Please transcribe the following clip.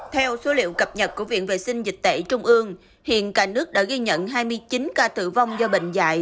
theo số liệu cập nhật của viện vệ sinh dịch tễ trung ương hiện cả nước đã ghi nhận hai mươi chín ca tử vong do bệnh dạy